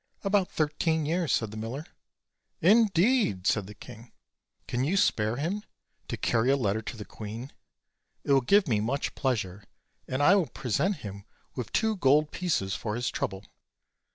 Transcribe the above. "About thirteen years," said the miller. "Indeed!" said the king. "Can you spare him to carry a letter to the queen ? It will give me much pleasure, and I will present him with two gold pieces for his trouble."